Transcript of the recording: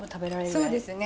そうですね。